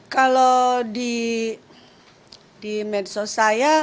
kalau di medsos saya